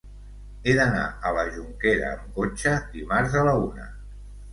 He d'anar a la Jonquera amb cotxe dimarts a la una.